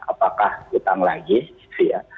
apakah utang lagi gitu ya